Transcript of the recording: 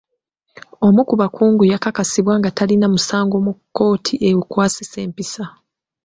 Omu ku bakungu yakakasibwa nga talina musango mu kkooti ekwasisa empisa.